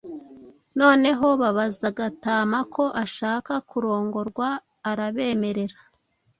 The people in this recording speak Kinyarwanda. Noneho babaza Gatama ko ashaka kurongorwa arabemerera.